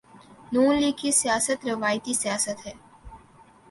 ن لیگ کی سیاست روایتی سیاست ہے۔